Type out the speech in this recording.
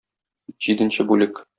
Җиденче бүлек.